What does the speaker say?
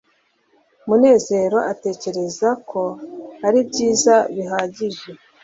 munezero atekereza ko aribyiza bihagije